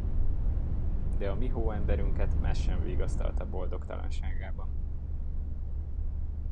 De a mi hóemberünket ez sem vigasztalta boldogtalanságában.